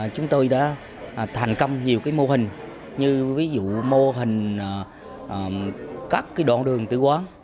chúng tôi đã thành công nhiều mô hình như ví dụ mô hình các đoạn đường tử quán